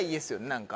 何か。